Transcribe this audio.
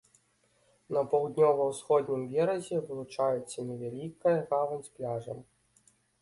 На паўднёва-ўсходнім беразе вылучаецца невялікая гавань з пляжам.